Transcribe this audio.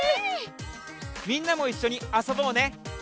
みんなもいっしょにあそぼうね！